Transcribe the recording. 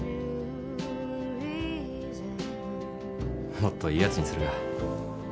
もっといいやつにするか？